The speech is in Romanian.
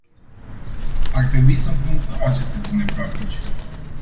Ar trebui să împrumutăm aceste bune practici.